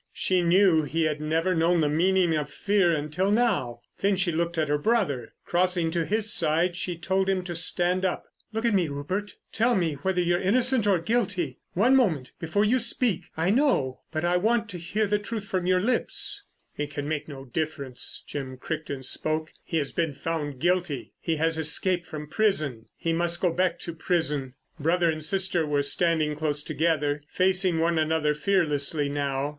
She knew he had never known the meaning of fear until now. Then she looked at her brother. Crossing to his side she told him to stand up. "Look at me, Rupert. Tell me whether you're innocent or guilty—one moment, before you speak. I know, but I want to hear the truth from your lips." "It can make no difference." Jim Crichton spoke. "He has been found guilty. He has escaped from prison. He must go back to prison." Brother and sister were standing close together, facing one another fearlessly now.